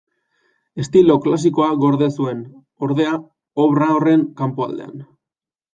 Estilo klasikoa gorde zuen, ordea, obra horren kanpoaldean.